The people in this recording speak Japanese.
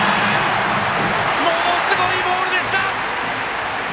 ものすごいボールでした！